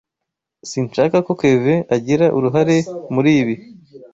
Sinshaka ko Kevin agira uruhare muri ibi.